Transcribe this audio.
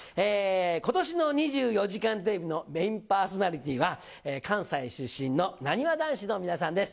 ことしの２４時間テレビのメインパーソナリティーは、関西出身のなにわ男子の皆さんです。